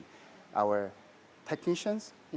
jombo apakah anda setuju